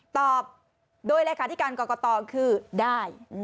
ตอบโดยเลขาธิการกรกตคือได้